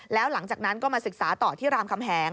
แล้วหลังจากนั้นก็มาศึกษาต่อที่รามคำแหง